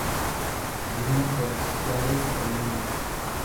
Turismo por Suárez, Tolima.